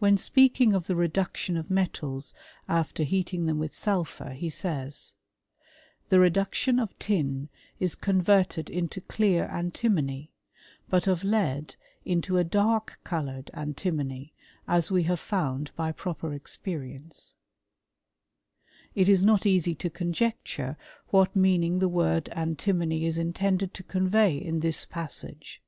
When speaking of the f^uction of metals after heating them with sulphur, ;hie says, " The reduction of tin is converted into clear wMimony ; but of lead, into a dark coloured antimony, as we have found by proper experience/'* It is not easy to conjecture what meaning the word antimony jB intended to convey in this passage.